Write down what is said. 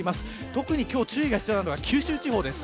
特に注意が必要なのは九州地方です。